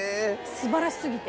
素晴らしすぎて。